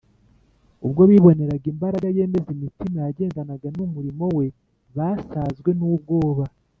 ubwo biboneraga imbaraga yemeza imitima yagendanaga n’umurimo we basazwe n’ubwoba,